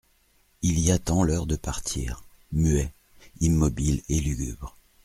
Il y attend l'heure de partir, muet, immobile et lugubre.